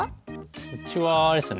うちはあれですね